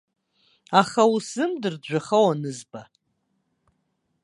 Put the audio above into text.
Аха усзымдырт жәаха уанызба.